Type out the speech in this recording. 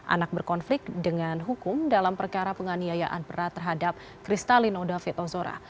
anak berkonflik dengan hukum dalam perkara penganiayaan berat terhadap kristalino david ozora